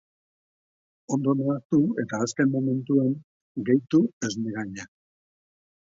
Ondo nahastu eta azken momentuan gehitu esnegaina.